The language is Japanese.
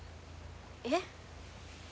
えっ。